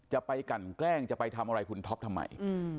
ไปกันแกล้งจะไปทำอะไรคุณท็อปทำไม